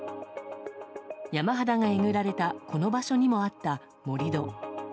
山肌がえぐられたこの場所にもあった盛り土。